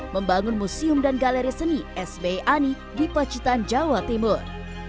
membangun museum dan galeri seni sbi ani di pacitan jawa timur